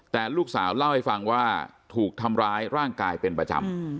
แต่ลูกสาวเล่าให้ฟังว่าถูกทำร้ายร่างกายเป็นประจำ